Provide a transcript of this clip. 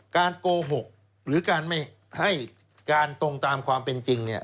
การโกหกหรือให้การตรงตามความเป็นจริง